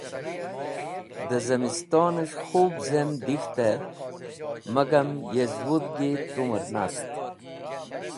Dẽ zemistones̃h khub zem dik̃hte, magam yezwudhgi tumer nast.